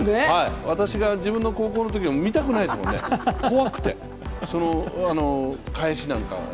私が自分の高校のときのは見たくないですもんね、怖くて、返しなんかを。